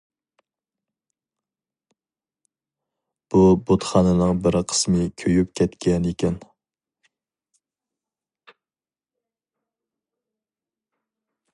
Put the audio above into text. بۇ بۇتخانىنىڭ بىر قىسمى كۆيۈپ كەتكەنىكەن.